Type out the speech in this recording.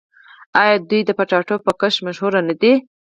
آیا دوی د کچالو په کښت مشهور نه دي؟